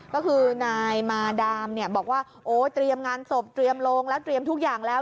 ก็คือนายมาดามเนี่ยบอกว่าโอ้เตรียมงานศพเตรียมโลงแล้วเตรียมทุกอย่างแล้ว